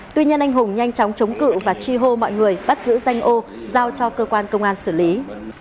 tuy nhiên anh hùng nhanh chóng chống cự và chi hô mọi người bắt giữ danh ô giao cho cơ quan công an xử lý